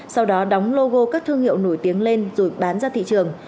sau đó đóng logo các thương hiệu nổi tiếng lên rồi bán ra thị trường